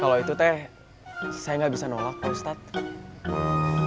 kalau itu teh saya nggak bisa nolak pak ustadz